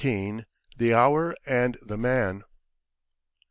THE HOUR AND THE MAN.